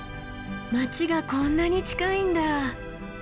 街がこんなに近いんだ！